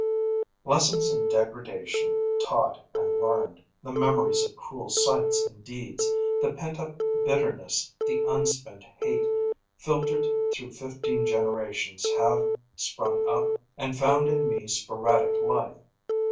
Lessons in degradation, taught and learned, The memories of cruel sights and deeds, The pent up bitterness, the unspent hate Filtered through fifteen generations have Sprung up and found in me sporadic life.